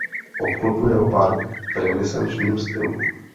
Obklopuje ho park v renesančním stylu.